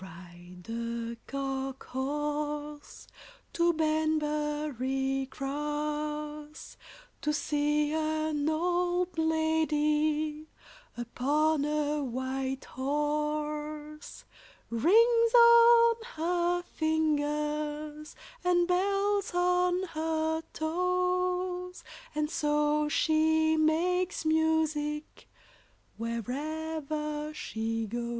] Ride a cock horse to Banbury Cross, To see an old lady upon a white horse; Rings on her fingers and bells on her toes, And so she makes music wherever she goes.